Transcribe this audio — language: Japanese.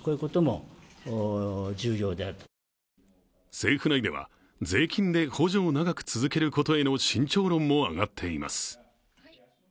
政府内では税金で補助を長く続けることへの慎重論も上がっています。